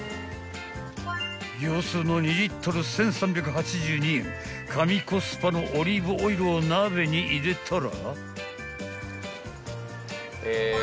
［業スーの２リットル１，３８２円神コスパのオリーブオイルを鍋に入れたら］